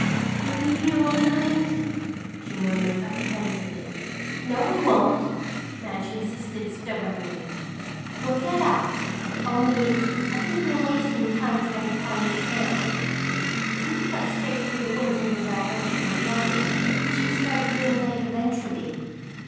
"We'll be here all night," she murmured apprehensively. "No, we won't," Madge insisted stubbornly. "We'll get out, only I think we're wasting time trying to find the trail. If we cut straight through the woods in the direction we're going we should strike Loon Lake eventually."